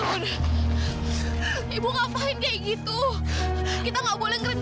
melepaskan imacassin dari anjing sekolah lalu rindukan